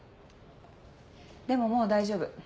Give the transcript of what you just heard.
でももう大丈夫。